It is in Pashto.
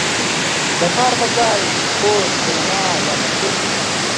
"د کار په ځای، کور، سینما یا محفل" کې